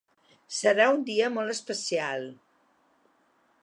Serà un dia molt especial.